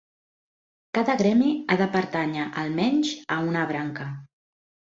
Cada gremi ha de pertànyer, almenys, a una branca.